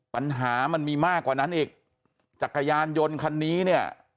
ปัญหามันมีมากกว่านั้นอีกจักรยานยนต์คันนี้เนี่ย